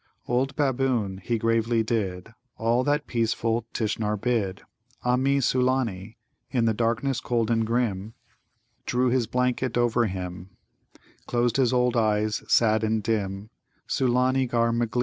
"Old Baboon, he gravely did All that peaceful Tishnar bid; Ah mi, Sulâni! In the darkness cold and grim Drew his blanket over him; Closed his old eyes, sad and dim: Sulâni, ghar magleer."